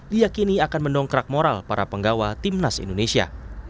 diakini akan mendongkrak moral para penggawa timnas indonesia